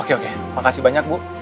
oke oke makasih banyak bu